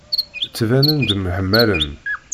Ttbanen-d mḥemmalen.